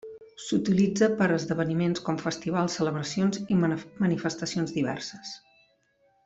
S'utilitza per esdeveniments com festivals, celebracions i manifestacions diverses.